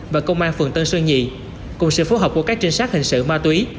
và công an phường tân sơn nhì cùng sự phối hợp của các trinh sát hình sự ma túy